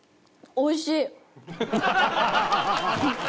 「おいしい！」。